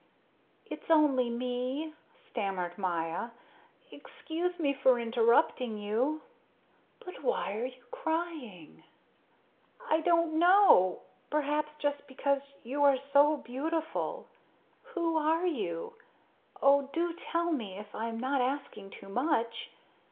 "It's only me," stammered Maya. "Excuse me for interrupting you." "But why are you crying?" "I don't know. Perhaps just because you are so beautiful. Who are you? Oh, do tell me, if I am not asking too much.